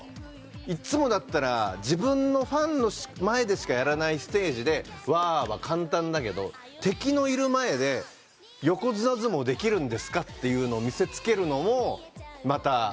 いつもだったら自分のファンの前でしかやらないステージで「わあー」は簡単だけど敵のいる前で横綱相撲できるんですかって見せつけるのもまた一興で。